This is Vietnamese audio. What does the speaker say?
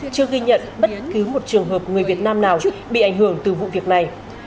chưa ghi nhận bất cứ một trường hợp người việt nam nào bị ảnh hưởng từ vụ việc này